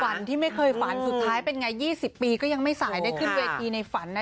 ที่ไม่เคยฝันสุดท้ายเป็นไง๒๐ปีก็ยังไม่สายได้ขึ้นเวทีในฝันนะ